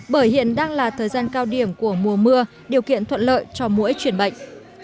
bởi hiện đang là thời gian cao điểm của mùa mưa điều kiện thuận lợi cho mỗi chuyển bệnh